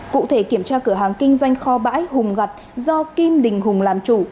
cụ thể kiểm tra cửa hàng kinh doanh kho bãi hùng gặt do kim đình hùng làm chủ